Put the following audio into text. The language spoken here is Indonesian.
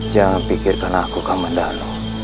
jangan pikirkan aku kamandano